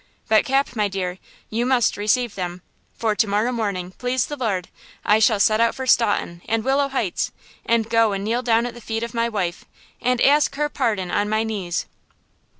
But Cap, my dear, you must receive them. For to morrow morning, please the Lord, I shall set out for Staunton and Willow Heights, and go and kneel down at the feet of my wife, and ask her pardon on my knees!"